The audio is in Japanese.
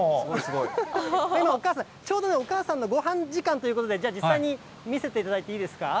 今、お母さん、ちょうどお母さんのごはん時間ということで、実際に見せていただいていいですか。